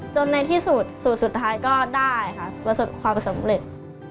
จนในที่สูตรสุดท้ายก็ได้ค่ะความสำเร็จ